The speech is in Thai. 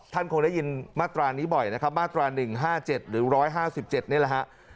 คงได้ยินมาตรานี้บ่อยนะครับมาตรา๑๕๗หรือ๑๕๗นี่แหละฮะ